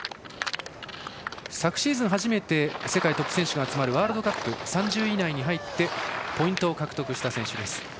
昨シーズン、初めて世界トップ選手が集まるワールドカップ３０位以内に入りポイントを獲得した選手です。